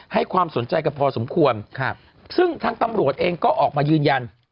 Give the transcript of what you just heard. ให้ความสนใจกันพอสมควรซึ่งทางตำรวจเองก็ออกมายืนยัน